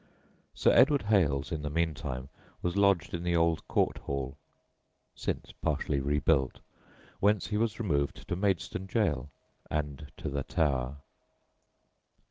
Sir Edward Hales, in the meantime, was lodged in the old Court Hall (since partially rebuilt), whence he was removed to Maidstone gaol, and to the Tower.